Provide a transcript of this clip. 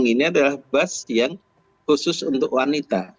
bus ping ini adalah bus yang khusus untuk wanita